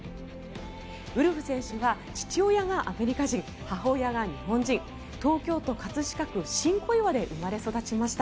ウルフ選手は父親がアメリカ人、母親が日本人東京都葛飾区新小岩で生まれ育ちました。